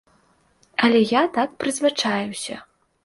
Але я так прызвычаіўся.